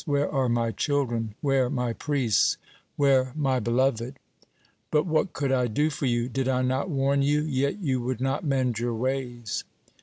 Where are My children, where My priests, where My beloved? But what could I do for you? Did I not warn you? Yet you would not mend your ways."